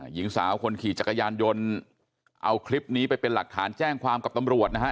หญิงสาวคนขี่จักรยานยนต์เอาคลิปนี้ไปเป็นหลักฐานแจ้งความกับตำรวจนะฮะ